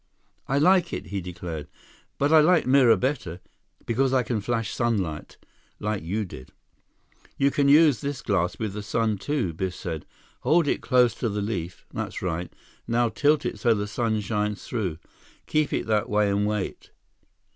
"I like it," he declared, "but I like mirror better, because I can flash sunlight, like you did." "You can use this glass with the sun, too," Biff said. "Hold it close to the leaf—that's right—now tilt it so the sun shines through. Keep it that way and wait."